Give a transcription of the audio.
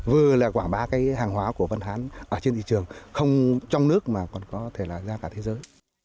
vừa là quảng bá cái hàng hóa của văn hán ở trên thị trường không trong nước mà còn có thể là ra cả thế giới